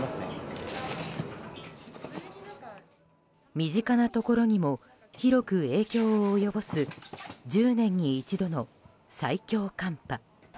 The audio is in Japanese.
身近なところにも広く影響を及ぼす１０年に一度の最強寒波。